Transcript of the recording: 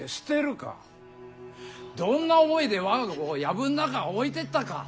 どんな思いで我が子を薮ん中置いてったか！